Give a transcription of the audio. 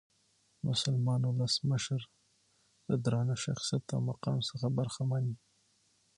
مسلمان اولس مشر د درانه شخصیت او مقام څخه برخمن يي.